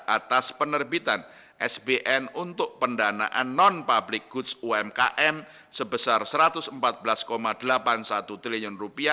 atas penerbitan sbn untuk pendanaan non public goods umkm sebesar rp satu ratus empat belas delapan puluh satu triliun